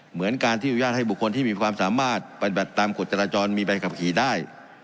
เหมือนการที่อนุญาตให้บุคคลที่มีความสามารถปฏิบัติตามกฎจราจรมีใบขับขี่ได้